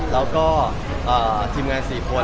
แล้วก็ทีมงาน๔คน